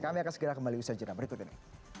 kami akan segera kembali usaha jenah berikut ini